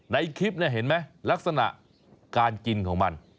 ในคลิปเนี่ยเห็นไหมลักษณะการกินของมัน